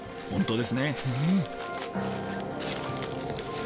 本当ですね。